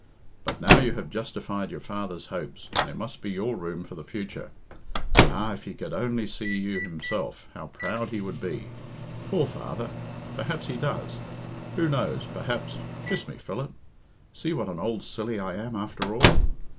But now you have justified your father's hopes, and it must be your room for the future. Ah! if he could only see you himself, how proud he would be! Poor father! Perhaps he does. Who knows perhaps kiss me, Philip. See what an old silly I am, after all.